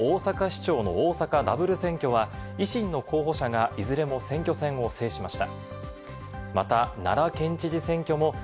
知事と大阪市長の大阪ダブル選挙は維新の候補者がいずれも選挙戦を制しました。